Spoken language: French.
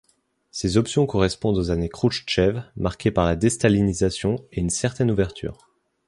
Ces options correspondent aux années Khrouchtchev marquées par la déstalinisation et une certaine ouverture.